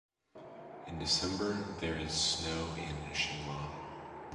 In December there is snow in Shimla.